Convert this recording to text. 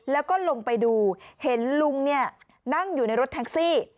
แล้วก็ลงไปดูเห็นลุงนั่งอยู่ในรถแท็กซี่